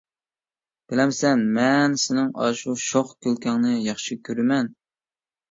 بىلەمسەن، مەن سېنىڭ ئاشۇ شوخ كۈلكەڭنى ياخشى كۆرىمەن.